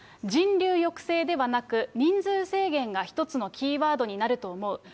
人流抑制ではなく、人数制限が一つのキーワードになると思う。